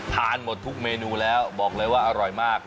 ทานหมดทุกเมนูแล้วบอกเลยว่าอร่อยมาก